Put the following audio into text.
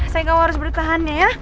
sayang kamu harus bertahan ya